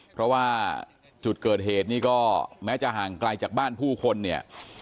เพราะว่าจุดเกิดเหตุนี้ก็แม้จะห่างไกลจากบ้านผู้คนเนี่ย